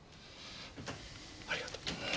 ありがとう。